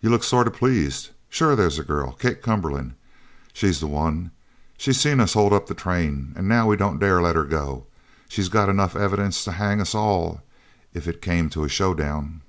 "You look sort of pleased. Sure they's a girl. Kate Cumberland, she's the one. She seen us hold up the train, an' now we don't dare let her go. She's got enough evidence to hang us all if it came to a show down."